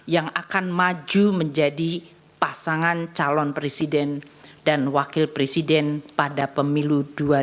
yang akan maju menjadi pasangan calon presiden dan wakil presiden pada pemilu dua ribu dua puluh